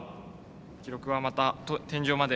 記録はまた天井まで。